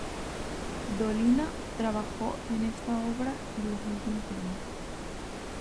Dolina trabajó en esta obra en los últimos años.